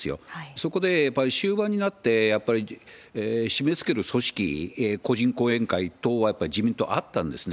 そこでやっぱり終盤になって、やっぱり締めつける組織、個人後援会等、やっぱり自民党、あったんですね。